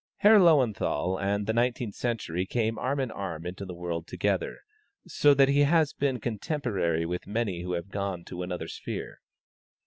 Herr Löwenthal and the 19th century came arm and arm into the world together, so that he has been contemporary with many who have gone to another sphere.